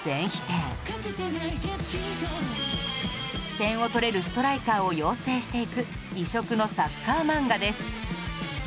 点を取れるストライカーを養成していく異色のサッカー漫画です